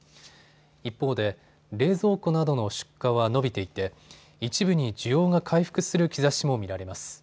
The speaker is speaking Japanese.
一方で冷蔵庫などの出荷は伸びていて一部に需要が回復する兆しも見られます。